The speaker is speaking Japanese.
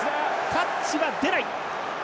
タッチは出ない！